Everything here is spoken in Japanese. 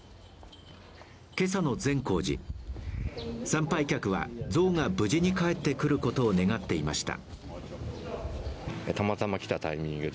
今朝の善光寺、参拝客は像が無事に帰ってくることを願っていました。